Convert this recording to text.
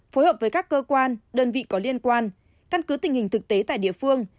phối hợp với các cơ quan đơn vị có liên quan căn cứ tình hình thực tế tại địa phương